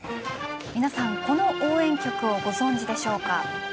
皆さんこの応援曲をご存じでしょうか。